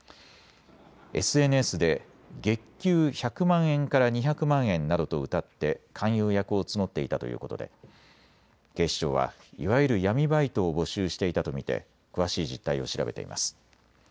ＳＮＳで月給１００万円から２００万円などとうたって勧誘役を募っていたということで警視庁は、いわゆる闇バイトを募集していたと見て詳しい実態を調べています。